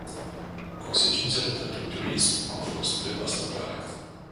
Consecințele pentru turism au fost devastatoare.